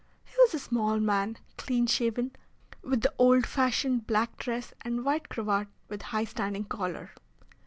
He was a small man, clean shaven, with the old fashioned black dress and white cravat with high standing collar.